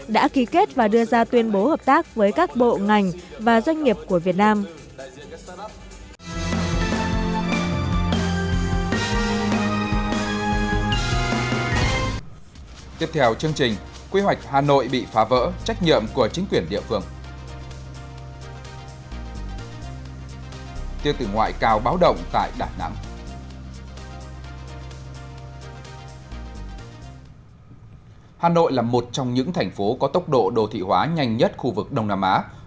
đã ký kết và đưa ra tuyên bố hợp tác với các bộ ngành và doanh nghiệp của việt nam